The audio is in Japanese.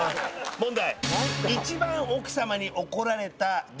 問題。